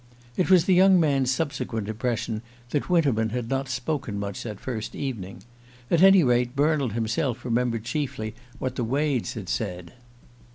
It was the young man's subsequent impression that Winterman had not spoken much that first evening; at any rate, Bernald himself remembered chiefly what the Wades had said.